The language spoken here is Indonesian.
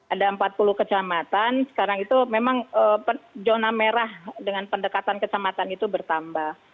ada empat puluh kecamatan sekarang itu memang zona merah dengan pendekatan kecamatan itu bertambah